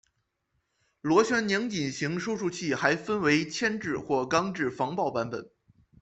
螺旋拧紧型收束器还分为铅制或钢制防爆版本。